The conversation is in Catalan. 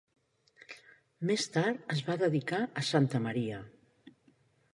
Més tard es va dedicar a Santa Maria.